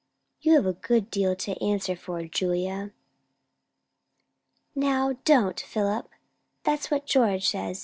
"You have a good deal to answer for, Julia." "Now, don't, Philip! That's what George says.